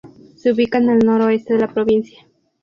Se ubica en el noreste de la provincia.